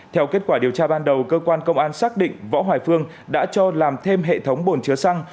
theo kết quả điều tra ban đầu cơ quan công an xác định võ hoài phương đã cho làm thêm hệ thống bồn chứa xăng